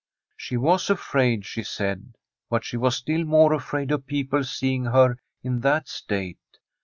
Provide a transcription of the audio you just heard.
She was afraid, she said^ but she was still more afraid of people seeing her in that state.